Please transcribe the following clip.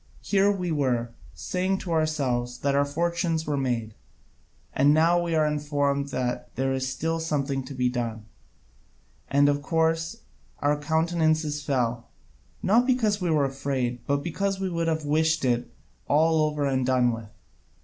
Here we were, saying to ourselves that our fortunes were made, and now we are informed there is still something to be done, and of course our countenances fell, not because we were afraid, but because we could have wished it all over and done with.